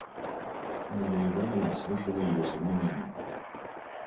Марья Ивановна слушала ее со вниманием.